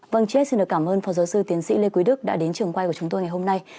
vâng chết xin được cảm ơn phó giáo sư tiến sĩ lê quý đức đã đến trường quay của chúng tôi ngày hôm nay